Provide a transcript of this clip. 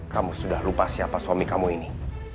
kamu sudah lupa siapa suami kamu ini